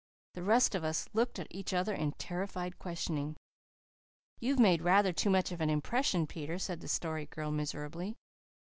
The rest of us looked at each other in terrified questioning. "You've made rather too much of an impression, Peter," said the Story Girl miserably.